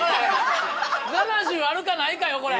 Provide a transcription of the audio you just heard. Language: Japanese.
７０あるかないかよこれ。